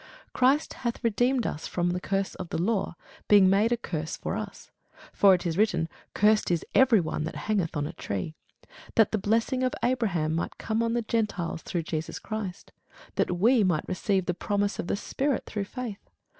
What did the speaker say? Christ hath redeemed us from the curse of the law, being made a curse for us: for it is written, Cursed is every one that hangeth on a tree: that the blessing of Abraham might come on the Gentiles through Jesus Christ; that we might receive the promise of the Spirit through faith.